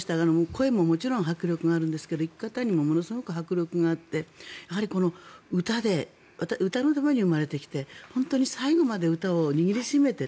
声ももちろん迫力があるんですが生き方にもものすごく迫力があってやはり、歌で歌のために生まれてきて本当に最後まで歌を握りしめて